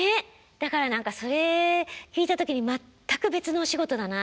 だからそれ聞いた時に全く別のお仕事だなと思って。